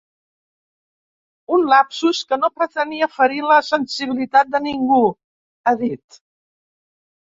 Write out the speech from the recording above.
Un lapsus que no pretenia ferir la sensibilitat de ningú, ha dit.